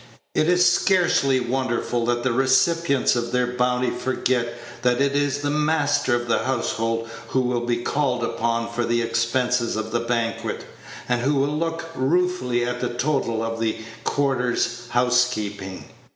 It is scarcely wonderful that the recipients of their bounty forget that it is the master of the household who will be called upon for the expenses of the banquet, and who will look ruefully at the total of the quarter's housekeeping.